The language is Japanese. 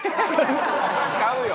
「使うよ！